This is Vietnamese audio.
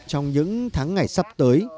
trong những tháng ngày sắp tới